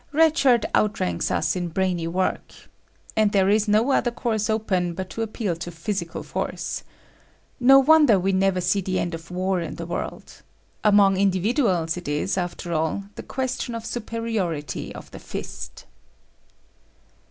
Red Shirt outranks us in brainy work. And there is no other course open but to appeal to physical force. No wonder we never see the end of war in the world. Among individuals, it is, after all, the question of superiority of the fist.